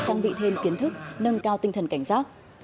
trang bị thêm kiến thức nâng cao tinh thần cảnh giác